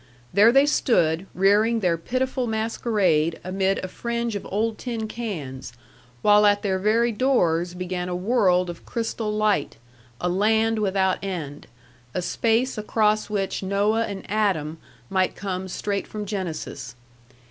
There they stood, rearing their pitiful masquerade amid a fringe of old tin cans, while at their very doors began a world of crystal light, a land without end, a space across which Noah and Adam might come straight from Genesis.